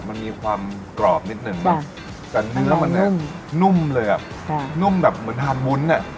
มันมีความกรอบนิดนึงแบบแต่เนื้อมันนุ่มเลยอ่ะนุ่มแบบเหมือนทานวุ้นอ่ะ